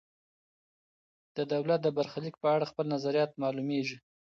ده د دولت د برخلیک په اړه خپل نظریات معلوميږي.